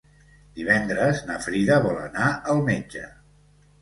Divendres na Frida vol anar al metge.